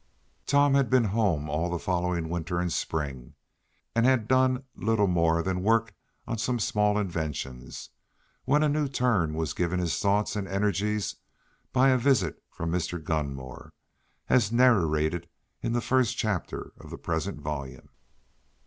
Tom had been home all the following winter and spring, and he had done little more than work on some small inventions, when a new turn was given his thoughts and energies by a visit from Mr. Gunmore, as narrated in the first chapter of the present volume.